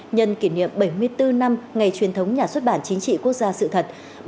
nhân kỷ niệm bảy mươi bốn năm ngày truyền thống nhà xuất bản chính trị quốc gia sự thật